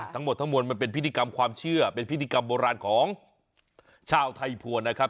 ทั้งหมดทั้งมวลมันเป็นพิธีกรรมความเชื่อเป็นพิธีกรรมโบราณของชาวไทยภวรนะครับ